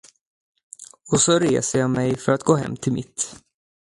Och så reser jag mig för att gå hem till mitt.